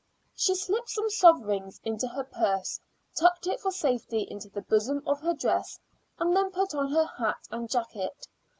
She slipped some sovereigns into her purse, tucked it for safety into the bosom of her dress, and then put on her hat and jacket.